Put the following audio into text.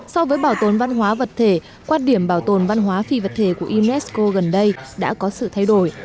so với bảo tồn văn hóa vật thể quan điểm bảo tồn văn hóa phi vật thể của unesco gần đây đã có sự thay đổi